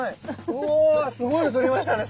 うぉすごいの撮りましたね。